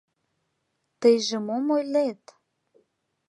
Тыйже мом ойлет?